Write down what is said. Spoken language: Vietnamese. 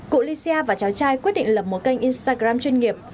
cụ licia và cháu trai quyết định lập một kênh instagram chuyên nghiệp